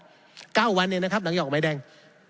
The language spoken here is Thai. ออกนะครับเก้าวันเองนะครับหนังหยอกไม้แดง